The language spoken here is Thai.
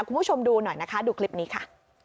คุณผู้ชมดูหน่อยนะคะดูคลิปนี้ค่ะ